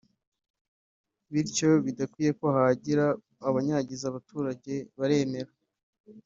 bityo bidakwiye ko hagira abayangiza abaturage baremera